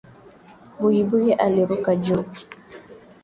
Ba nkuku beko na chimbula minji bari rima busubui